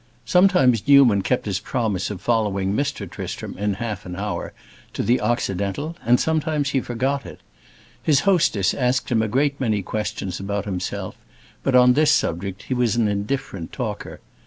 Sometimes Newman kept his promise of following Mr. Tristram, in half an hour, to the Occidental, and sometimes he forgot it. His hostess asked him a great many questions about himself, but on this subject he was an indifferent talker.